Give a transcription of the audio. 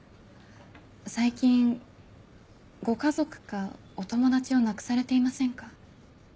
最近ご家族かお友達を亡くされていませんか？